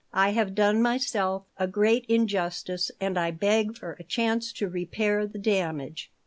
I have done myself a great injustice and I beg for a chance to repair the damage.